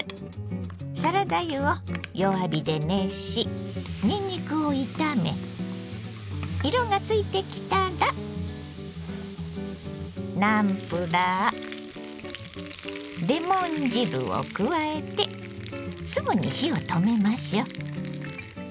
サラダ油を弱火で熱しにんにくを炒め色がついてきたらナムプラーレモン汁を加えてすぐに火を止めましょう。